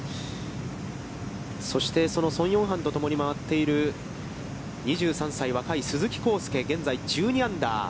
そして、その宋永漢と共に回っている２３歳、若い鈴木晃祐、現在１２アンダー。